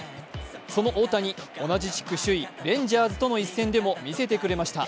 その大谷、同じ地区首位・レンジャーズとの一戦でも見せてくれました。